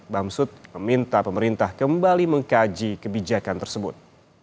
bamsud meminta pemerintah kembali mengkaji kebijakan tersebut